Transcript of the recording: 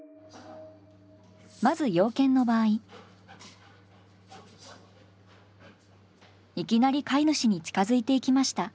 まずいきなり飼い主に近づいていきました。